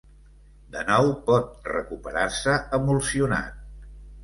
De nou, pot recuperar-se emulsionat.